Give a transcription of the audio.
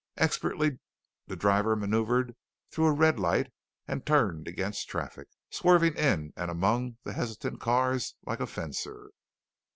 Expertly the driver maneuvered through a red light and turned against traffic, swerving in and among the hesitant cars like a fencer.